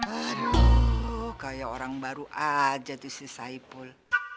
aduh kayak orang baru aja tuh si saipul